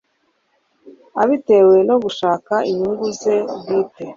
atabitewe no gushaka inyungu ze bwite